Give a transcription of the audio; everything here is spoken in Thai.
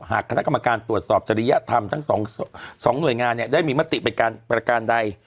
หากคณะกรรมการตรวจสอบจริยธรรมทั้ง๒หน่วยงานได้มีมติเป็นการประการใด